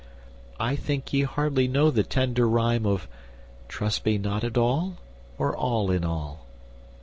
I think ye hardly know the tender rhyme Of 'trust me not at all or all in all.